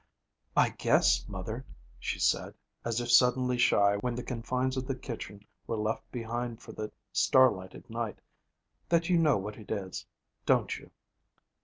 'I guess, mother,' she said, as if suddenly shy when the confines of the kitchen were left behind for the star lighted night, 'that you know what it is, don't you?'